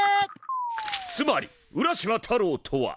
つまり浦島太郎とは！